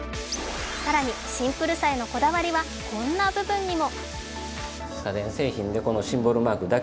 更にシンプルさへのこだわりはこんな部分にも。